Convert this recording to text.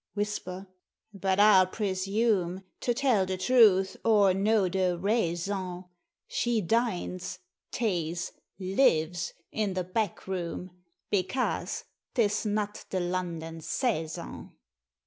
(whisper) but I'll presume To tell the truth, or know the raison. She dines tays lives in the back room, Bekase 'tis not the London saison."